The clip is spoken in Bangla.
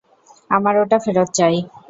আমার ওটা ফেরত চাই!